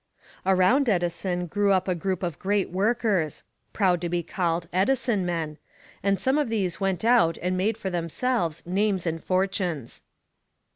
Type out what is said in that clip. Around Edison grew up a group of great workers proud to be called "Edison Men" and some of these went out and made for themselves names and fortunes.